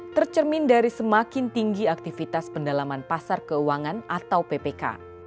tercermin dari semakin tinggi aktivitas pendalaman pasar keuangan atau ppk